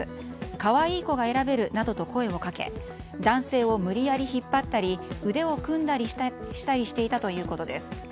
可愛い子が選べるなどと声をかけ男性を無理やり引っ張ったり腕を組んだりしていたということです。